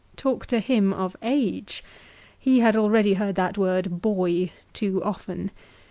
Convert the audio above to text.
Talk to him of age! He had already heard that word 'boy' too often.